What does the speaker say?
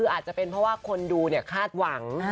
คืออาจจะเป็นเพราะว่าคนดูคาดหวัง